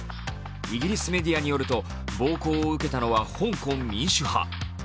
イギリスメディアによると暴行を受けたのは香港民主派。